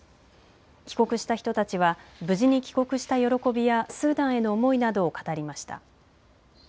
帰国した人たちは無事に帰国した喜びやスーダンへの思いなどを語りました。